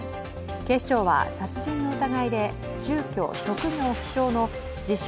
警視庁は殺人の疑いで住居・職業不詳の自称